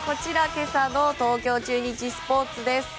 今朝の東京中日スポーツ。